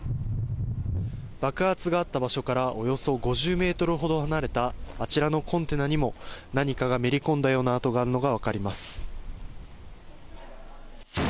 爆発があった場所からおよそ５０ｍほど離れたあちらのコンテナにも何かがめり込んだような跡があるのが分かります。